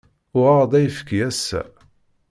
Uɣeɣ-d ayefki ass-a.